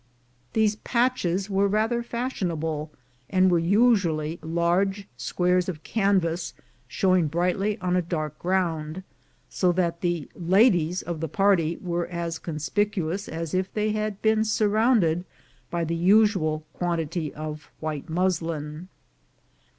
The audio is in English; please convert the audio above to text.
These patches were rather fashionable, and were usually large squares of canvas, showing brightly on a dark ground, so that the "ladies" of the party were as conspicuous as if they had been surrounded by the usual quantity of white muslin.